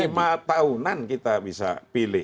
ya kan lima tahunan kita bisa pilih